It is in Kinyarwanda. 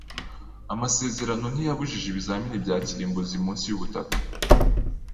Amasezerano ntiyabujije ibizamini bya kirimbuzi munsi yubutaka.